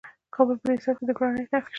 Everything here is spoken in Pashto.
د کابل په ده سبز کې د ګرانیټ نښې شته.